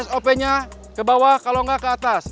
sop nya ke bawah kalau nggak ke atas